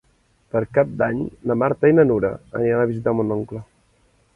Per Cap d'Any na Marta i na Nura aniran a visitar mon oncle.